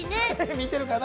見てるかな？